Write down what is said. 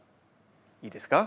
いいですか？